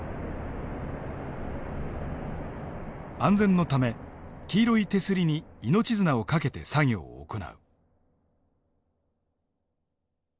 安全のため黄色い手すりに命綱を掛けて作業を行う。